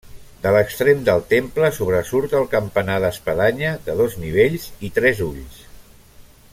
De l'extrem del temple sobresurt el campanar d'espadanya, de dos nivells i tres ulls.